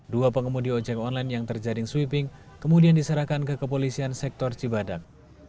dua pengemudi ojek online yang terjaring sweeping kemudian diserahkan ke kepolisian sektor cibadak